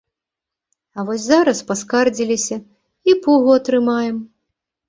А вось зараз паскардзіліся, і пугу атрымаем.